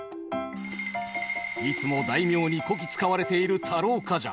いつも大名にこき使われている太郎冠者